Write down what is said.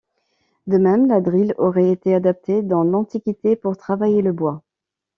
De même, la drille aurait été adaptée dans l'Antiquité pour travailler le bois.